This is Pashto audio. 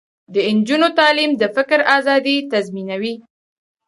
د نجونو تعلیم د فکر ازادي تضمینوي.